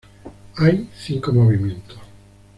Hay cinco movimientos.